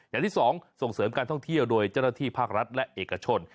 อย่างที่สองส่งเสริมการท่องเที่ยวโดยเจ้าหน้าที่ภาครัฐและเอกชน